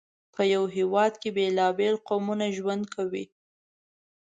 په یو هېواد کې بېلابېل قومونه ژوند کوي.